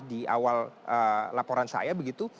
di awal laporan saya begitu